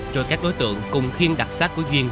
rồi các đối tượng cùng khiên đặt sát của duyên